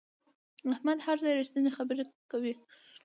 احمد هر ځای رښتینې خبره کوي.